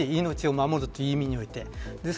命を守るという意味において。